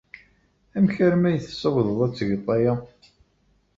Amek armi ay tessawḍeḍ ad tgeḍ aya?